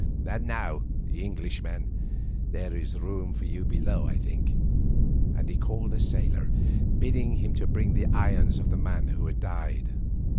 And now, Englishman, there is room for you below I think;" and he called to a sailor bidding him bring the irons of the man who had died.